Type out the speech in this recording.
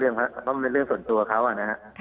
เรื่องส่วนตัวเค้าอะนะ